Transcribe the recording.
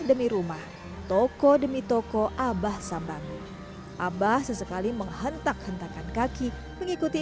demi rumah toko demi toko abah sambangu abah sesekali menghentak hentakan kaki mengikuti